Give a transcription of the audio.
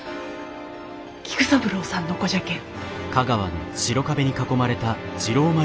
菊三郎さんの子じゃけん。